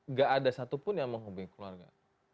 nggak ada satupun yang menghubungi keluarga